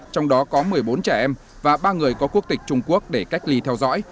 trong đó có một mươi bốn trẻ em và ba người có quốc tịch trung quốc để cách ly theo dõi